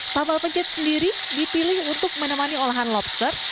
sambal pencit sendiri dipilih untuk menemani olahan lobster